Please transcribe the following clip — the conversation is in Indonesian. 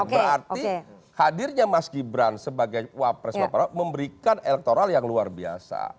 berarti hadirnya mas gibran sebagai wapres pak prabowo memberikan elektoral yang luar biasa